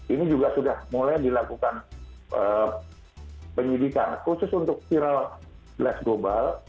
ini juga sudah mulai dilakukan penyidikan khusus untuk viral blast global